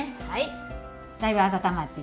はい。